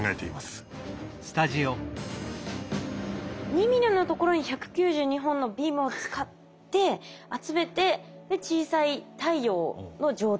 ２ｍｍのところに１９２本のビームを使って集めて小さい太陽の状態を作り出すみたいな。